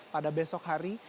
pada besok hari